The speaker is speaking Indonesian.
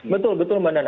betul betul mbak nana